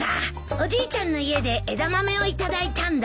おじいちゃんの家で枝豆を頂いたんだ。